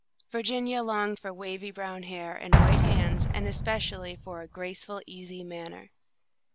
Virginia longed for wavy brown hair and white hands, and especially for a graceful, easy manner.